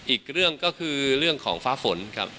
อีกเรื่องก็คือเรื่องของฟ้าฝนครับ